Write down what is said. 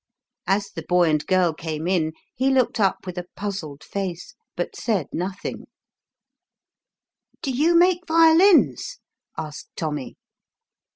As the boy and girl came in, he looked up with a puzzled face but said nothing, "Do you make violins?" asked Tommy.